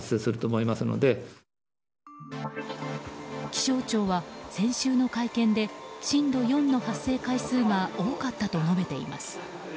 気象庁は、先週の会見で震度４の発生回数が多かったと述べています。